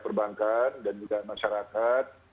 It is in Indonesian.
perbankan dan juga masyarakat